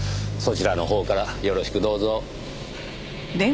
そちらのほうからよろしくどうぞ。